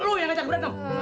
lu yang ngecat berantem